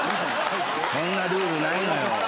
そんなルールないのよ。